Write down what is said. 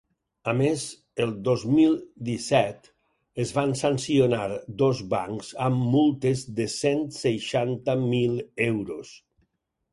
A més, el dos mil disset es van sancionar dos bancs amb multes de cent seixanta mil euros.